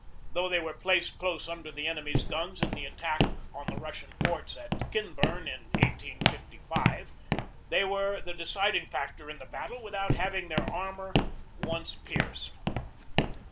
Though they were placed close under the enemy's guns in the attack on the Russian forts at Kinburn in 1855, they were the deciding factor in the battle without having their armor once pierced.